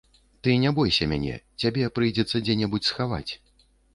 Ты не бойся мяне, цябе прыйдзецца дзе-небудзь схаваць.